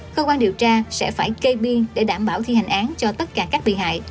cơ quan điều tra sẽ phải kê biên để đảm bảo thi hành án cho tất cả các bị hại